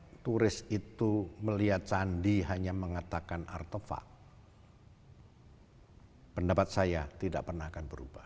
kalau turis itu melihat sandi hanya mengatakan artefak pendapat saya tidak pernah akan berubah